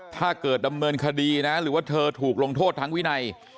ถ้าเกิดดำเนินคดีนะหรือว่าเธอถูกลงโทษทางวินัย